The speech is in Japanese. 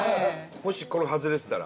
もしこれが外れてたら。